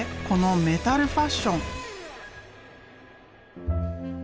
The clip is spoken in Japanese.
このメタルファッション！